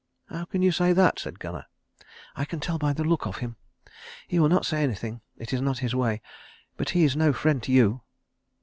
"How can you say that?" said Gunnar. "I can tell by the look of him. He will not say anything. It is not his way. But he is no friend to you."